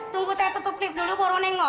tunggu saya tutup clip dulu baru nengok ya